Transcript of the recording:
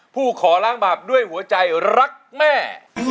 ผู้ขอล้างบาปด้วยหัวใจรักแม่